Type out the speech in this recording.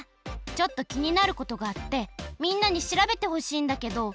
ちょっときになることがあってみんなにしらべてほしいんだけど。